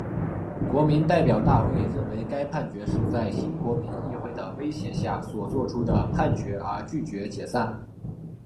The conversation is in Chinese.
国民代表大会认为该判决是在新国民议会的威胁下所做出的判决而拒绝解散。